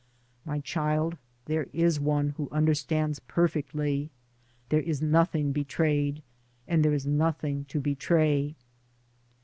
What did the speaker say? My child, there is One who understands perfectly. There is nothing betrayed, and there is nothing to betray.